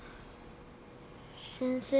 先生。